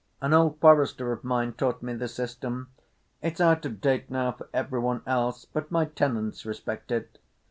An old forester of mine taught me the system. It's out of date now for every one else; but my tenants respect it.